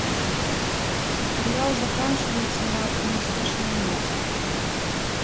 Матэрыял заканчваецца на аптымістычнай ноце.